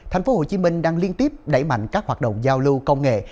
tp hcm đang liên tiếp đẩy mạnh các hoạt động giao lưu công nghệ